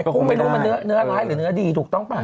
กุ้งไม่รู้มันเนื้อร้ายหรือเนื้อดีถูกต้องป่ะ